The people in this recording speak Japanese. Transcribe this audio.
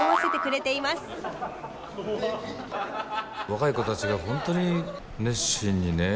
若い子たちが本当に熱心にね